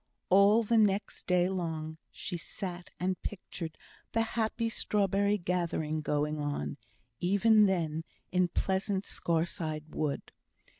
All the next day long she sat and pictured the happy strawberry gathering going on, even then, in pleasant Scaurside Wood.